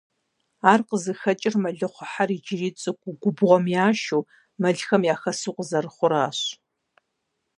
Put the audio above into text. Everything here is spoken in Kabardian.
Ар къызыхэкӀыр мэлыхъуэхьэр иджыри цӀыкӀуу губгъуэм яшэу, мэлхэм яхэсу къызэрыхъуращ.